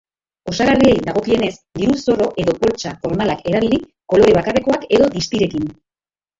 Osagarriei dagokienez, diru-zorro edo poltsa formalak erabili, kolore bakarrekoak edo distirekin.